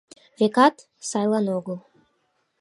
Векат, сайлан огыл.